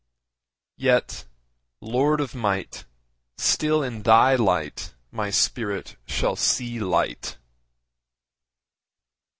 Yet, Lord of Might, Still in Thy light my spirit shall see light.